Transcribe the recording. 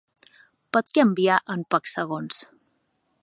Pot canviar en pocs segons.